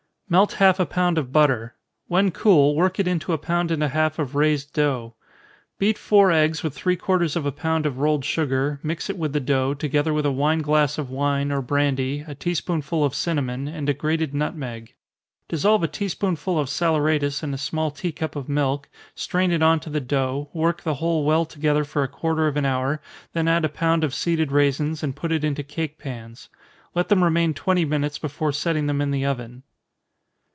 _ Melt half a pound of butter when cool, work it into a pound and a half of raised dough. Beat four eggs with three quarters of a pound of rolled sugar, mix it with the dough, together with a wine glass of wine, or brandy, a tea spoonful of cinnamon, and a grated nutmeg. Dissolve a tea spoonful of saleratus in a small tea cup of milk, strain it on to the dough, work the whole well together for a quarter of an hour, then add a pound of seeded raisins, and put it into cake pans. Let them remain twenty minutes before setting them in the oven.